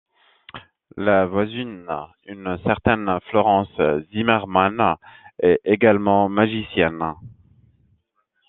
La voisine, une certaine Florence Zimmerman, est également magicienne.